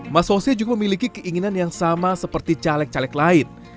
mas fosya juga memiliki keinginan yang sama seperti caleg caleg lain